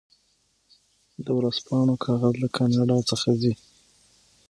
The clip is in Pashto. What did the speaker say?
د ورځپاڼو کاغذ له کاناډا څخه ځي.